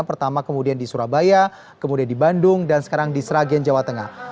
pertama kemudian di surabaya kemudian di bandung dan sekarang di sragen jawa tengah